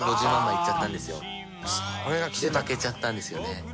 で負けちゃったんですよね。